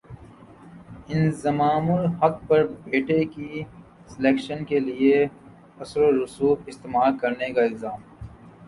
انضمام الحق پر بیٹے کی سلیکشن کیلئے اثرورسوخ استعمال کرنے کا الزام